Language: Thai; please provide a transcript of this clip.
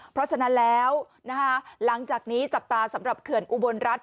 เพราะฉะนั้นแล้วนะคะหลังจากนี้จับตาสำหรับเขื่อนอุบลรัฐ